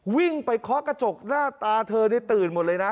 วิ่งไปเคาะกระจกหน้าตาเธอนี่ตื่นหมดเลยนะ